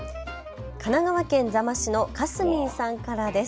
神奈川県座間市かすみんさんからです。